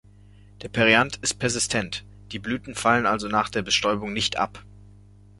Der Perianth ist persistent, die Blüten fallen also nach der Bestäubung nicht ab.